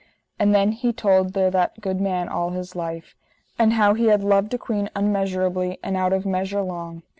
And then he told there that good man all his life. And how he had loved a queen unmeasurably and out of measure long.